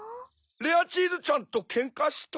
「レアチーズちゃんとケンカした」？